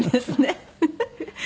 フフフフ。